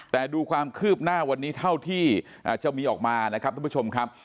แต่ดูความคืบหน้าวันนี้เท่าที่จะมีออกมานะครับทุกผู้ชมครับ